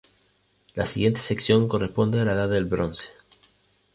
La siguiente sección corresponde a la Edad del Bronce.